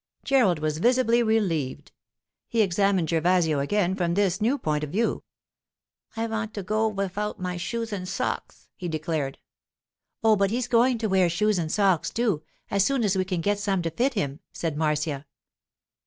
Gerald was visibly relieved. He examined Gervasio again from this new point of view. 'I want to go wifout my shoes and socks,' he declared. 'Oh, but he's going to wear shoes and socks, too, as soon we can get some to fit him,' said Marcia.